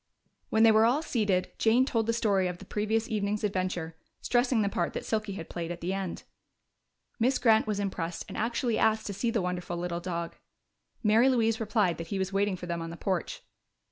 When they were all seated, Jane told the story of the previous evening's adventure, stressing the part that Silky had played at the end. Miss Grant was impressed and actually asked to see the wonderful little dog. Mary Louise replied that he was waiting for them on the porch.